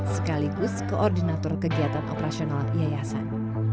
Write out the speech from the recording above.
sekaligus koordinator kegiatan operasional yayasan